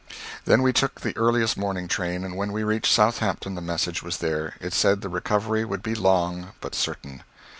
Then we took the earliest morning train, and when we reached Southampton the message was there. It said the recovery would be long, but certain.